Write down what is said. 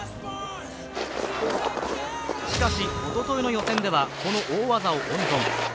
しかしおとといの予選では、この大技を温存。